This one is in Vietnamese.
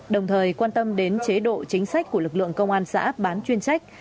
đồng thời quan tâm đến chế độ chính sách của lực lượng công an xã bán chuyên trách